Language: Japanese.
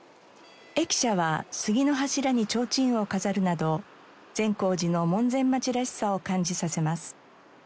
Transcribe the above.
駅舎は杉の柱に提灯を飾るなど善光寺の門前町らしさを感じさせます。